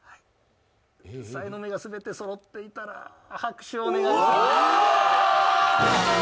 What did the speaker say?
さいの目が全てそろっていたら拍手をお願いします。